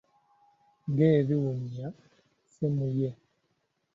Ng'ebiwunya ssemuye.